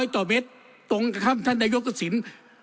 ๕๐๐ต่อเมตรตรงท่านนายกษิณ